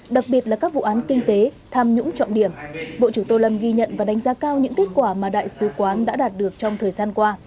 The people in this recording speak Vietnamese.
đặc biệt là các vụ án kinh tế tham nhũng trọng điểm bộ trưởng tô lâm ghi nhận và đánh giá cao những kết quả mà đại sứ quán đã đạt được trong thời gian qua